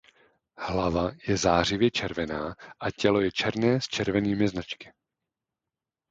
Hlava je zářivě červená a tělo je černé s červenými značky.